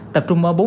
tập trung mơ bốn ca